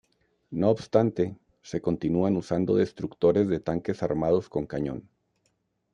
No obstante, se continúan usando destructores de tanques armados con cañón.